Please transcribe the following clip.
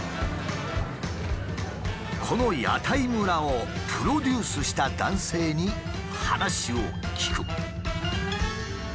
この屋台村をプロデュースした男性に話を聞く。